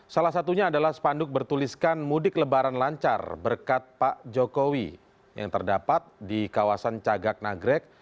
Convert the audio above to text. salah satunya adalah spanduk bertuliskan mudik lebaran lancar berkat pak jokowi yang terdapat di kawasan cagak nagrek